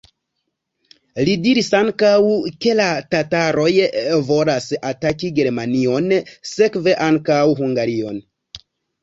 Li diris ankaŭ, ke la tataroj volas ataki Germanion, sekve ankaŭ Hungarion.